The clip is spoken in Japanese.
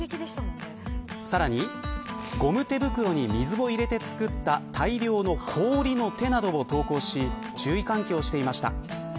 さらにゴム手袋に水を入れて作った大量の氷の手などを投稿し注意喚起をしていました。